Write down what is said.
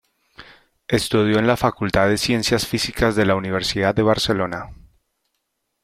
Estudió en la Facultad de Ciencias Físicas de la Universidad de Barcelona.